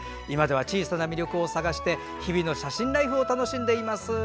今では小さな魅力を探して日々の写真ライフを楽しんでいます。